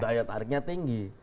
daya tariknya tinggi